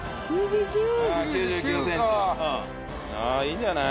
あいいんじゃない？